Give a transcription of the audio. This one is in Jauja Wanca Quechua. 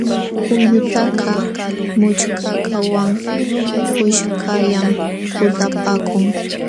Qullutakaq mućhkakaqwan kuskallam kutapaakun.